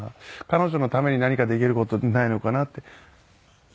彼女のために何かできる事ってないのかなって。